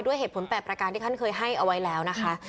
ด้วยเหตุผล๘ประการที่ท่านเคยให้เอาไว้แล้วนะคะ